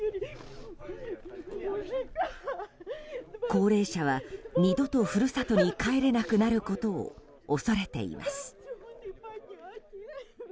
高齢者は二度と故郷に帰れなくなることを恐れています。